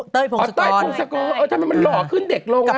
เต้ยพงสกรอ่อเต้ยพงสกรเออทำไมมันหล่อขึ้นเด็กลงน่ะ